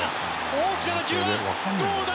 大きな打球は、どうだ？